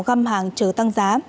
găm hàng chờ tăng giá